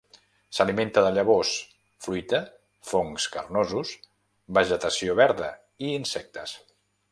S'alimenta de llavors, fruita, fongs carnosos, vegetació verda i insectes.